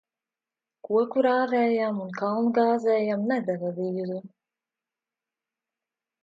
Koku rāvējam un kalnu gāzējam nedeva vīzu.